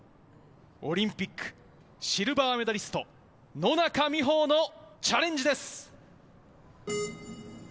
オリンピック、シルバーメダリスト、野中生萌のチャレンジです。